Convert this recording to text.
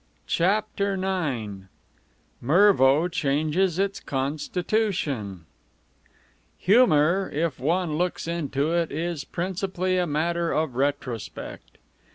CHAPTER IX MERVO CHANGES ITS CONSTITUTION Humor, if one looks into it, is principally a matter of retrospect.